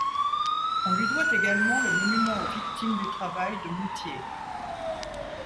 On lui doit également le monument aux victimes du travail de Moutiers.